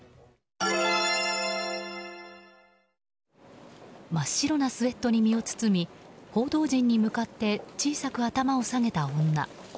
本麒麟真っ白なスウェットに身を包み報道陣に向かって小さく頭を下げた女。